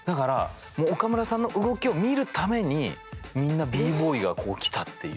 岡村さんの動きを見るためにみんなＢ−ＢＯＹが来たっていう。